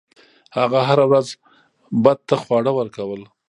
هغه هره ورځ بت ته خواړه ورکول.